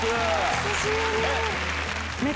久しぶり！